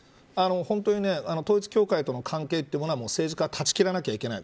本当に、統一教会との関係というものは政治家は断ち切らないといけない。